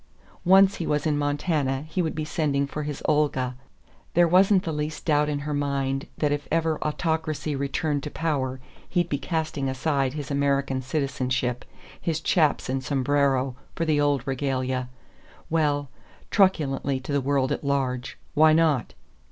Once he was in Montana he would be sending for his Olga. There wasn't the least doubt in her mind that if ever autocracy returned to power, he'd be casting aside his American citizenship, his chaps and sombrero, for the old regalia. Well truculently to the world at large why not?